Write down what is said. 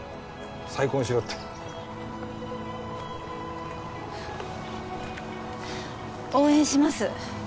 「再婚しろ」って応援します